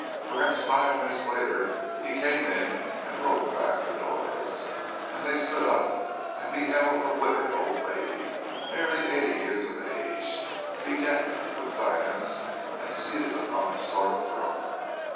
Perhaps five minutes later he came in and rolled back the doors, and they stood up, and beheld a withered old lady, nearly eighty years of age, bedecked with diamonds and seated upon a sort of throne.